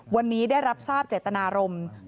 วันนี้ได้รับทราบเจตนารมณ์